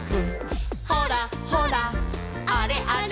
「ほらほらあれあれ」